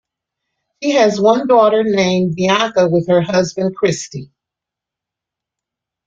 She has one daughter named Bianca with her husband, Christie.